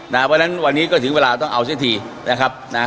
เพราะฉะนั้นวันนี้ก็ถึงเวลาต้องเอาเสียทีนะครับนะ